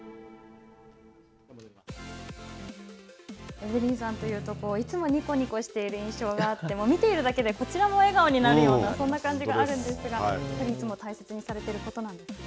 エブリンさんというといつもにこにこしている印象があって、見ているだけで、こちらも笑顔になるような、そんな感じがあるんですが、それはいつも大切にされていることですか。